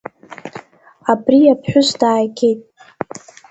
Абри аԥҳәыс дааигеит.